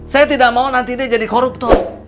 saya tidak mau nanti dia jadi koruptor